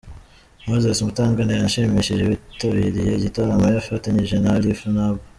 Moise Mutangana yashimishije abitabiriye igitaramo yafatanyije na Alif Naab.